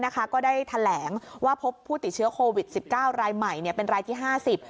ก็ได้แถลงว่าพบผู้ติดเชื้อโควิด๑๙รายใหม่เป็นรายที่๕๐